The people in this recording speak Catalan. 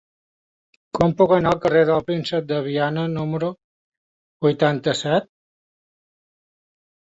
Com puc anar al carrer del Príncep de Viana número vuitanta-set?